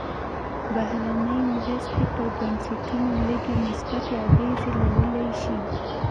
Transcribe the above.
بهرنۍ مرستې پر بنسټونو لږې مثبتې اغېزې لرلی شي.